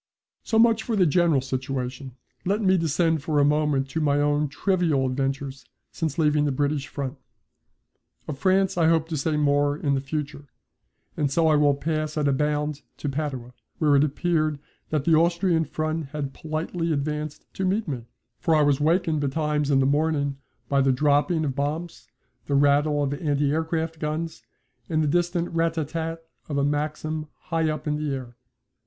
So much for the general situation. Let me descend for a moment to my own trivial adventures since leaving the British front. Of France I hope to say more in the future, and so I will pass at a bound to Padua, where it appeared that the Austrian front had politely advanced to meet me, for I was wakened betimes in the morning by the dropping of bombs, the rattle of anti aircraft guns, and the distant rat tat tat of a maxim high up in the air.